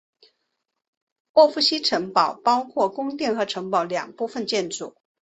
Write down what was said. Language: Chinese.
沃夫西城堡包括宫殿和城堡两部分建筑。